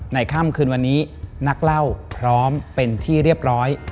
ค่ำคืนวันนี้นักเล่าพร้อมเป็นที่เรียบร้อย